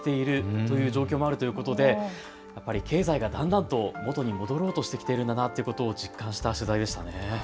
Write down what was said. そういう状況もあるということでやっぱり経済がだんだんと元に戻ろうとしてきているんだなということを実感した取材でしたね。